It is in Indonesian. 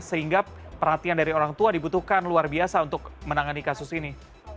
sehingga perhatian dari orang tua dibutuhkan luar biasa untuk menangani kasus ini